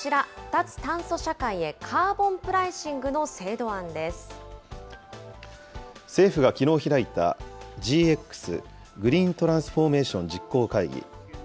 脱炭素社会へ、カーボンプライシ政府がきのう開いた、ＧＸ・グリーントランスフォーメーション実行会議。